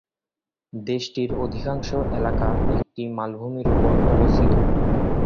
দেশটির অধিকাংশ এলাকা একটি মালভূমির উপর অবস্থিত।